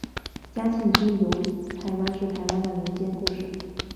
嘉庆君游台湾是台湾的民间故事。